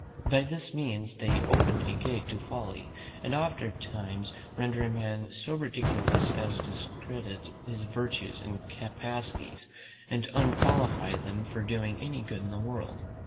By this means they open a gate to folly, and oftentimes render a man so ridiculous, as discredit his virtues and capacities, and unqualify them from doing any good in the world.